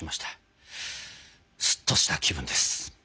すっとした気分です。